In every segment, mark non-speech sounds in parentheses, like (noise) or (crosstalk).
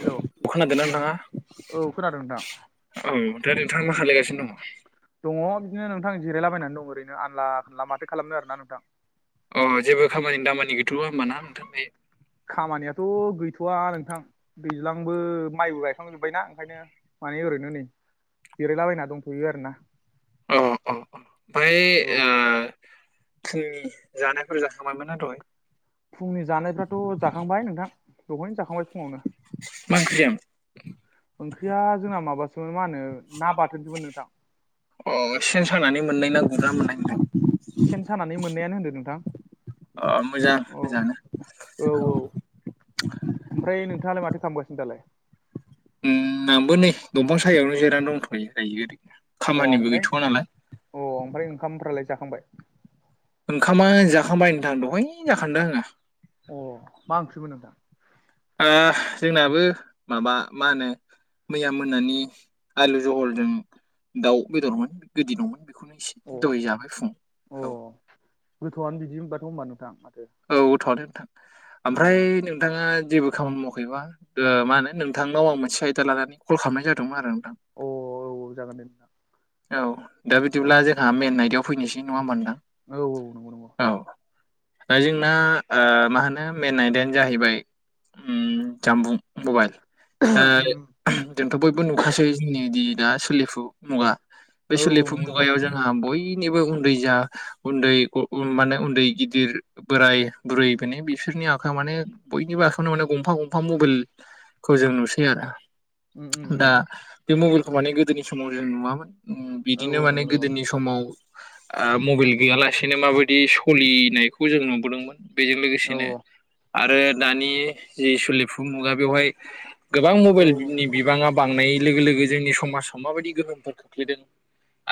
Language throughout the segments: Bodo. हेल' खोनादोंना नोंथाङा औ खोनादों नोंथां। औ दा नोंथांआ मा खालायगासिनो दङ'? दङ बिदिनो नोंथां जिरायलाबायनानै दं ओरैनो आनला खानला माथो खालामनो आरोना नोंथां। अ जेबो खामानिनि दामानिखौथ' होमबाना नोंथां बे खामानियाथ' गैथ'आ नोंथां दैज्लांबो माइबो गायखांजोब्बायना ओंखायनो। माने ओरैनो नै जिरायलाबायना दंथ'यो आरो ना। अ अ अ ओमफ्राय औ ओ फुंनि जानायफोर जाखांबायमोनना दहाय। फुंनि जानायफ्राथ' जाखांबाय नोंथां दहायनो जाखांबाय फुङावनो। मा ओंख्रि जायामोन? ओंख्रिया जोंना माबासोमोन मा होनो ना बाथोनसोमोन नोंथां। अ सेन सानानै मोननाय ना गुरना मोननाय नोंथां। सेन सानानै मोननायानो होनदों नोंथां अ मोजां मोजाङानो अ औ औ ओमफ्राय नोंथाङालाय माथो खालामगासिनो दालाय? उम आंबो नै दंफां सायावनो जिरनानै दंथ'यो जायो ओरैनो। अ खामानिबो ओमफ्राय गैथ'वा नालाय अ ओमफ्राय ओंखामफ्रालाय जाखांबाय। ओंखामा जाखांबायनो नोंथां दहय जाखांदों आङो। अ मा ओंख्रिमोन नोंथां? ओ जोंनाबो माबा मा होनो। मैया मोनानि आलु जहलजों दाउ बेदरमोन गोदि दंमोन बेखौनो अ एसे। दय जाबाय फुंआव। अ गोथाआनो बिदि होनबाथ' होनोमबा नोंथां माथो। औ थावनो नोंथां अ ओमफ्राय औ नोंथाङा जेबो खामानि मावाखैबा ओ मा होनो नोंथांनाव मोनसे आयदा लानानै कल खालामनाय जादोंमोन आरो नोंथां। अ औ जागोन दे। औ दा औ बिदिब्ला जोंहा मेन नाइडआव फैनोसै नङा होमबा नोंथां। औ औ नंगौ नंगौ। औ दा जोंना ओ मा होनो मेन आयदायानो जाहैबाय। उम जामबुं मबाइल। ओ जोंथ' बयबो नुखासै जोंनि दि दा सोलिफु मुगा। बे औ सोलिफुं नंगौ नंगौ मुगायाव जों जोंहा बयनिबो उन्दै जा उन्दै माने उन्दै गिदिर बोराइ। बुरै फोरनि बिसोरनि आखाइ माने बयनिबो आखायावनो माने गंफा गंफा मबाइलखौ जों नुसै आरो। उम उम उम दा बे मबेलखौ माने गोदोनि समाव जों नुवामोन उम औ बिदिनो औ माने नंगौ नंगौ गोदोनि समाव ओ मबेल गैयालासेनो माबायदि सलिनायखौ जों नुबोदोंमोन। बेजों औ लोगोसेनो आरो दानि जि सलिफु मुगा बेवहाय गोबां औ मबेलनि बिबाङा बांनाय लोगो लोगो जोंनि समाजाव माबायदि गोहोम खो ख्लैदों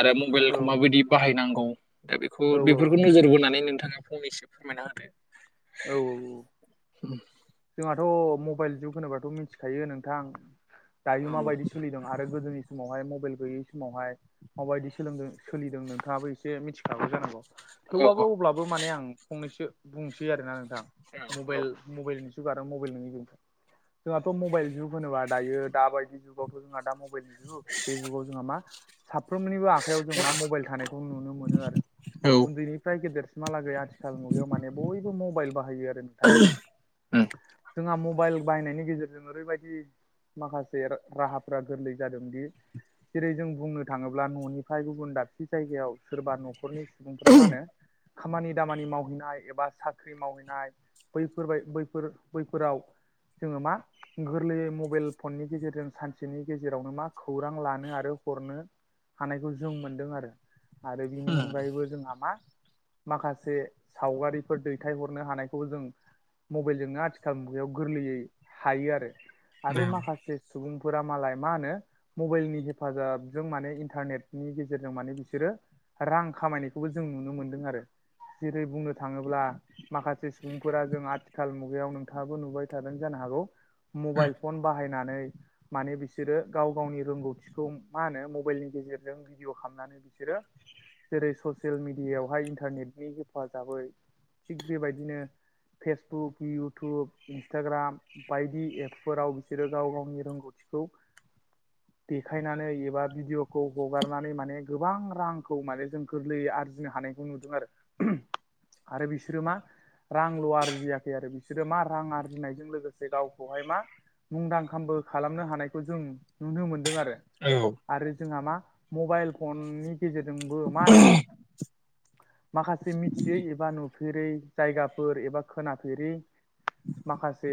आरो मबेलखौ माबायदि बाहायनांगौ। दा बेखौ औ औ बेफोरखौ नोजोर बोनानै नोंथाङा फंनैसो फोरमायना होदो। औ औ औ उम जोंहाथ' मबाइल जुग होनोबाथ' मिथिखायो नोंथां दायो माबायदि सोलिदों आरो गोदोनि समावहाय मबाइल गैयै समावहाय माबायदि सोलोंदों सोलिदों नोंथाङाबो एसे मिथिखागौ जानांगौ। थेवआबो अब्लाबो माने आं फंनैसो बुंसै आरोना नोंथां मबेल मबेलनि सो जुगा आरो मबेल नङै जुग। जोंहाथ' मबाइल जुग होनोबा दायो दा बायदि जुगावथ' जोंहा दा मबाइलनि खै बे जुगाव जोंहा मा साफ्रोमनिबो आखाइयाव जों मा मबाइल थानायखौ नुनो मोनो आरो औ उन्दैनि फ्राय गेदेरसिमहालागै आथिखाल मुगायाव माने बयबो मबाइल बाहायो आरो नोंथां जोंहा मबाइल बायनायनि गेजेरजों ओरैबायदि माखासे राहाफोरा गोरलै जादोंदि जेरै जों बुंनो थाङोब्ला न'निफाय गुबुन दाबसे जायगायाव सोरबा न'खरनि सुबुंफ्रा मा होनो खामानि दामानि मावहैनाय एबा साख्रि मावहैनाय बैफोरबाय बैफोर फोर बैफोराव जोङो मा गोरलैयै मबेल फननि गेजेरजों सानसेनि गेजेरावनो मा खौरां लानो आरो हरनो हानायखौ जों मोनदों आरो आरो बिनि अनगायैबो जोंहा मा माखासे सावगारिफोर दैथायहरनो हानायखौ जों मबेलजोंनो आथिखाल मुगायाव गोरलैयै हायो आरो आरो माखासे सुबुंफोरा मालाय मा होनो मबाइलनि हेफाजाबजों माने इन्टारनेटनि गेजेरजों माने बिसोरो रां खामायनायखौबो जों नुनो मोन्दों आरो जेरै बुंनो थाङोब्ला माखासे सुबुंफोरा जों आथि खाल मुगायाव नोंथाङाबो नुबाय थादों जानो हागौ मबाइल फन बाहायनानै माने बिस सोरो गाव गावनि रोंगौथिखौ मा होनो मबेलनि गेजेरजों भिडिअ' खामनानै बिसोरो जेरै ससियेल मिडियायावहाय इन्टारनेटनि हेफाजाबै थिग बेबायदिनो फेसबुक इउटुब इन्सटाग्राम बायदि एपफोराव बिसोरो गाव गावनि रोंगौथिखौ (unintelligible) देखायनानै एबा भिडिअ'खौ हगारनानै माने गोबां रांखौ माने जों गोरलैयै आरजिनो हानायखौ नुदों आरो आरो बिसोरो मा रांल' आरजियाख बिसोरो मा रां आरजिनायजों लोगोसे गावखौहाय मा मुंदांखाबो खालामनो हानायखौ जों नुनो मोनो रो औ आरो जोंहा मा मबाइल फननि गेजेरजोंबो मा होनो माखासे मिथियै एबा नुफेरै जायगाफोर एबा खोनाफेरै माखासे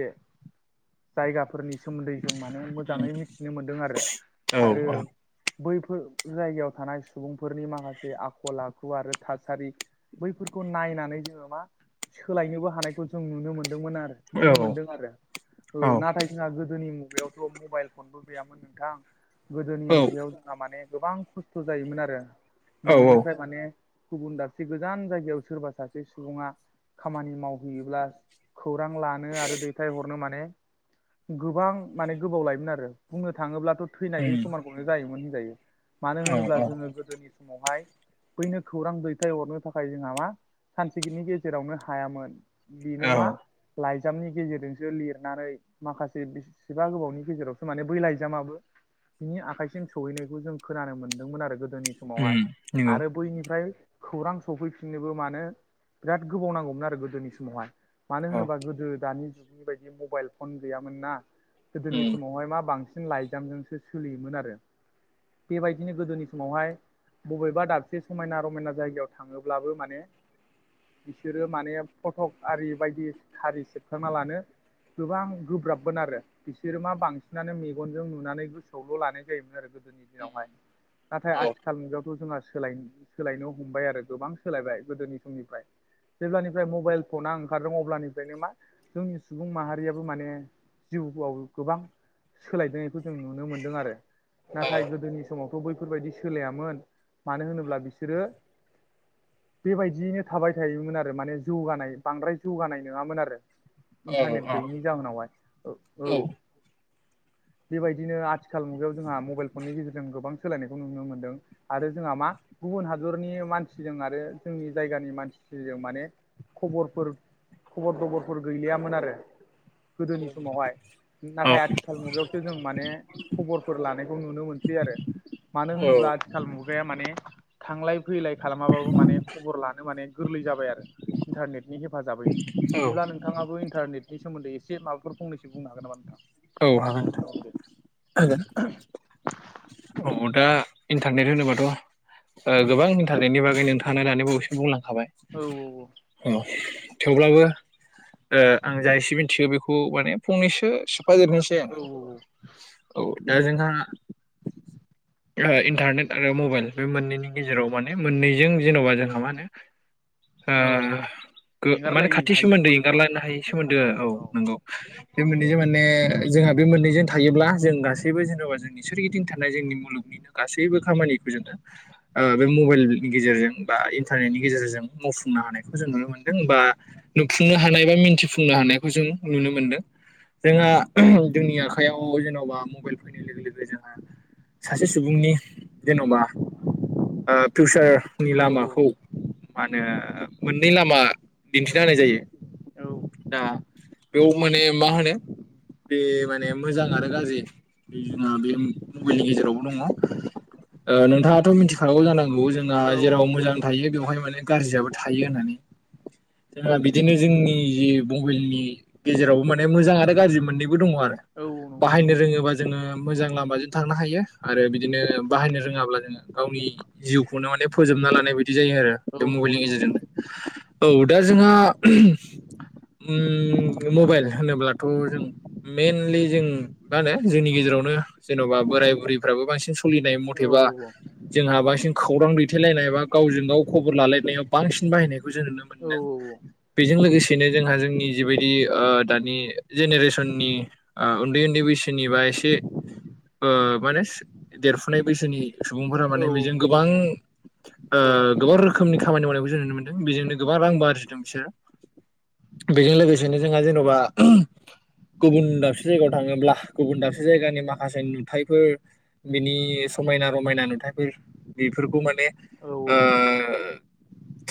जायगाफोरनि सोमोन्दै जों माने मोजाङै मिथिनो मोन्दों आरो आरो बैफोर जायगायाव थानाय सुबुंफोरनि माखासे आखल आखु आरो थासारि बैफोरखौ नायनानै जोङो मा सोलायनोबो हानायखौ जों नुनो मोनदोंमोन आरो औ नुनो मोनदों आरो औ नाथाय जोंहा गोदोनि मुगायावथ' मबाइल फनबो गैयामोन नोंथां गोदोनि मुगायाव आहा माने गोबां खस्थ' जायोमोन आरो औ न'निफ्राय माने गुबुन दाबसे गोजान जायगायाव सोरबा सासे सुबुङा खामानि मावहैयोब्ला खौरां लानो आरो दैथायहरनो माने गोबां माने गोबाव लायोमोन आरो बुंनो थाङोब्लाथ' थैनायजों समानखौनो जायोमोन होनजायो मानो होनोब्ला जोङो गोदोनि समावहाय बैनो खौरां दैथायहरनो थाखाय जोंहा मा सानसेनि गेजेरावनो हायामोन बेनो मा लाइजामनि गेजेरजोंसो लिरनानै माखासे बेसेबा गोबावनि गेजेरावसो माने बै लाइजामाबो बिनि आखाइसिम सहैनायखौ जों खोनानो मोनदोंमोन आरो गोदोनि समावहाय नंगौ आरो बैनिफ्राय खौरां सफैफिननोबो मानो बिराद गोबाव नांगौमोन आरो गोदोनि समावहाय मानो औ होनोबा गोदो दानि जुगनि बायदि मबाइल फन गैयामोन ना औ गोदोनि समावहाय मा बांसिन लाइजामजोंसो सोलियोमोन आरो बेबायदिनो गोदोनि समावहाय बबेबा दाबसे समायना रमायना जायगायाव थाङोब्लाबो माने बिसोरो माने फटक आरि बायदि हारि सेबखांना लानो गोबां गोब्राबमोन आरो बिसोरो मा बांसिनानो मेगनजों नुनानै गोसोआवल' लानाय जायोमोन आरो गोदोनि औ दिनावहाय नाथाय औ आथिखालनिथ जोंना सोलायनो हमबाय आरो गोबां सोलायबाय गोदोनि समनिफ्राय जेब्लानिफ्राय मबाइल मबाइल फना ओंखारदों अब्लानिफ्रायनो मा जोंनि सुबुं माहारियाबो माने जिउआव गोबां सोलायदोंनायखौ जों नुनो मोनदों आरो औ नाथाय गोदोनि समावथ' बै बेफोरबायदि सोलायामोन मानो होनोब्ला बिसोरो बेबायदियैनो थाबाय थायोमोन आरो माने जौगानाय बांद्राय जौगानाय नङामोन आरो औ इन्टारनेट गैयिनि जाहोनावहाय औ औ बेबायदिनो आथिखाल आथिखाल मुगायाव जोंहा मबाइल फननि गेजेरजों गोबां सोलायनायखौ नुनो मोनदों आरो जोंहा मा गुबुन हादरनि मानसिजों आरो जोंनि जायगानि मानसिजों माने खबरफोर खबर दबरफोर गैलियामोन आरो गोदोनि समावहाय नाथाय आथिखाल मुगायावसो जों माने खबरफोर लानायखौ नुनो मोनसै आरो मानो होनोब्ला आथिखाल मुगाया माने थांलाय फैलाय खालामाबाबो माने खबर लानो माने गोरलै जाबाय आरो इन्टारनेटनि हेफाजाबैनो बिदिब्ला नोंथां नोंथाङाबो इन्टारनेटनिमोन्दै एसे माबाफोर फंनैसो बुंनो हागोन नामा नोंथां औ हागोने होगोन औ दा इन्टारनेट होनोबाथ' गोबां मिन्टारेटनि बागै नोंथाङा दानि बबेसम बुंलांखाबाय औ औ औ अ थेवब्लाबो आं जाय एसे मिथियो बेखौ माने फंनैसो सोफाजोबनोसै औ आङो औ दायजोंखा इन्टारनेट आरो मबाइल बे मोननैनि गेजेराव माने मोननैजों जेन'बा जोंहा मा होनो औ औ माने एंगारलायै खाथि हायै सोमोन्दो दं आरो एंगारलायानो हायि सोमोन्दो औ नंगौ बे मोननैजों माने जोंहा बे मोननैजों थायोब्ला जों गासैबो जेन'बा जोंनि सोर गिदिं थानाय जोंनि मुलुगनिनो गासैबो खामानिखौ जोङो बे मबाइलनि गेजेरजों बा इन्टारनेटनि गेजेरजों मावफुंनो हानायखौ जों नुनो मोनदों बा नुफुंनो हानाय बा मिन्थिफुंनो हानायखौ जों नुनो मोनदों जोंहा जोंनि आखाइयाव जेन'बा मबाइल फैनाय लोगो लोगो जोंहा सासे सुबुंनि जेन'बा फिउसारनि लामाखौ औ मा होनो मोननै लामा दिन्थिना होनाय जायो दा बेयाव माने मा होनो बे माने मोजां आरो गाज्रि जोंना बे मबाइलनि गेजेरावबो दङ नोंथाङाथ' मिथिखागौ जानांगौ जोंहा औ जेराव नंगौ मोजां नंगौ थायो बेवहाय माने गाज्रियाबो थायो होननानै जोंहा बिदिनो जोंनि जि मबाइलनि गेजेरावबो माने मोजां आरो गाज्रि मोननैबो दङ आरो औ नंगौ नंगौ बाहायनो नोंथां रोङोबा जोङो मोजां लामाजों थांनो हायो आरो बिदिनो बाहायनो रोङाब्ला जोङो गावनि जिउखौनो माने फोजोबना लानाय बायदि जायो आरो बे औ नंगौ मबाइलनि नंगौ गेजेरजों नोंथां औ दा जोंहा उम बे मबाइल होनोब्लाथ' जों मेइनलि जों मा होनो जोंनि गेजेरावनो जेन'बा बोराय बुरैफ्राबो बांसिन सोलिनाय औ मथेबा जोंहा बांसिन खौरां दैथायलायनाय बा गावजों गाव खबर लालायनायाव बांसिन बाहायनायखौ जों नुनो मोनो औ औ बेजों लोगोसेनो जोंहा जोंनि जि बायदि दानि जेनेरेसननि आ उन्दै उन्दै बैसोनिबा एसे ओ माने देरफुनाय बैसोनि सुबुंफोरा औ माने बेजों नंगौ गोबां नंगौ ओ औ गोबां रोखोमनि खामानि मावनायखौ जों नुनो मोनदों बेजोंनो गोबां रांबो आरजिदों बिसोरो बेजों लोगोसेनो जोंहा जेन'बा गुबुन दाबसे जायगायाव थाङोब्ला गुबुन दाबसे जायगानि मा माखासे नुथायफोर बिनि समायना रमायना नुथायफोर बेफोरखौ माने औ औ ओ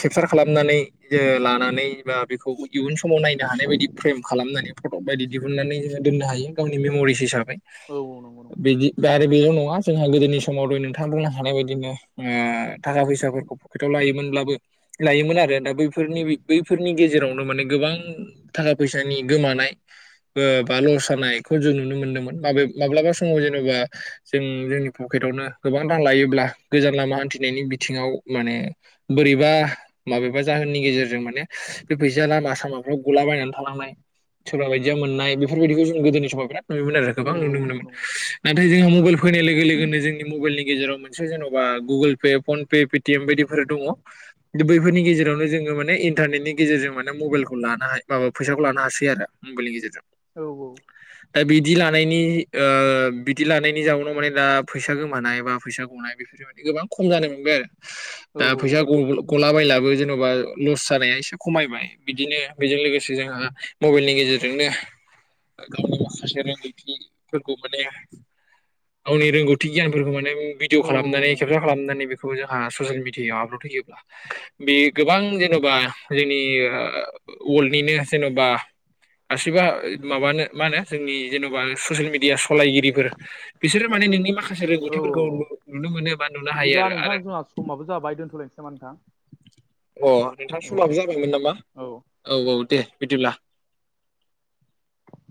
केपसार खालामनानै बि लानानै बा बेखौ इयुन समाव नायनो हानाय बायदि फ्रेम खालामनानै फट' बायदि दिहुननानै जोङो दोननो हायो गावनि मेम'रिस हिसाबै औ औ नंगौ नंगौ बिदि बा आरो बेल' नङा जोंहा गोदोनि समाव द नोंथां बुंनो हानाय बायदिनो ओ थाखा फैसाफोरखौ पकेटाव लायोमोनब्लाबो लायोमोन आरो दा बैफोरनि बैफोरनि गेजेरावनो माने गोबां थाखा फैसानि गोमानाय बा लस जानायखौ जों नुनो मोनदोंमोन मा माब्लाबा समाव जेनेबा जों जोंनि पकेटावनो गोबां रां लायोब्ला गोजान लामा हान्थिनायनि बिथिङाव माने बोरैबा माबेबा जाहोननि गेजेरजों माने बे फैसा लामा सामाफ्राव गुलाबायायनानै थालांनाय सोरबा बायदिया मोननाय बेफोरबायदिखौ जों गोदोनि समाव बिराद नुयोन आरो औ औ गोबां नुनो मोनोमोन (inaudible) नाथाय जोंहा मबाइल फैनाय लोगो लोगोनो जोंनि मबाइलनि गेजेराव मोनसे जेन'बा Google Pay phone Pay team बायदिफोर दङ बैफोरनि गेजेरावनो जोङो माने इन्टारनेटनि गेजेरजों माने मबाइलखौ लानो हायो माबा फैसाखौ लानो हासै आरो मबाइलनि गेजेरजों औ औ दा बिदि लानायनि ओ बिदि लानायनि जाउनाव माने दा फैसा गोमानाय बा फैसा गनाय बेफोर गोबां खम जानाय मोनबाय आरो औ दा औ फैसा गला बलाबो जेन'बा लस जानाया एसे खमायबाय बिदिनो बेजों लोगोसे जोंहा मबाइलनि गेजेरजोंनो गावनि माखासे रोंगौथिफोरखौ माने (inaudible) गावनि रोंगौथि गियानफोरखौ माने भिडियअ नंगौ खालामनानै नंगौ केपसार खालामनानै बेखौ जोंहा ससियेल मिडियायाव आपलड होयोब्ला बे गोबां जेन'बा जोंनि वार्ल्निनो जेन'बा गासिबो माबानो मा होनो जोंनि जेन'बा ससियेल मिडिया या सलायगिरिफोर बिसोरो माने नोंनि माखासे औ रोंगौथिफोरखौ औ नुनो मोनो बा नुनो हायो बिदिब्ला आरो नोंथां आरो जोंहा समाबो जाबाय दोनथ'नोसै नामा नोंथां अ नोंथां औ दे समाबो जाबायमोन नामा औ औ दे बिदिब्ला